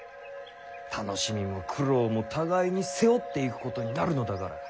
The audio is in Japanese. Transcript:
楽しみも苦労も互いに背負っていくことになるのだから。